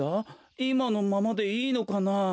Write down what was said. いまのままでいいのかなあ？